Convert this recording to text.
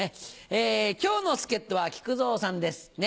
今日の助っ人は木久蔵さんです。